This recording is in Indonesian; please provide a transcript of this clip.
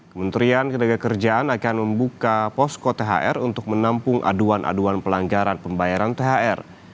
kementerian ketegak kerjaan akan membuka posko thr untuk menampung aduan aduan pelanggaran pembayaran thr